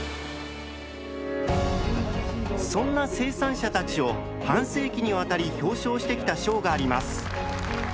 そんな生産者たちを半世紀にわたり表彰してきた賞があります。